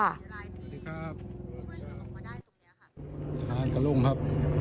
สวัสดีครับช่วยส่งออกมาได้ตรงเนี่ยค่ะทหารกับลุงครับ